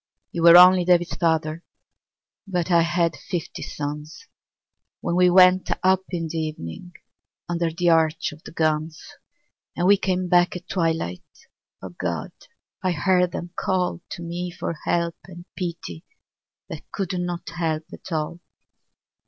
You were, only David's father, But I had fifty sons When we went up in the evening Under the arch of the guns, And we came back at twilight — O God ! I heard them call To me for help and pity That could not help at all.